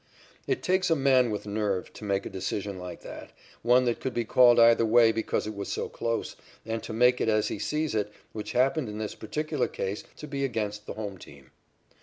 It takes a man with nerve to make a decision like that one that could be called either way because it was so close and to make it as he sees it, which happened in this particular case to be against the home team.